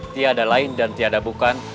tiada lain dan tiada bukan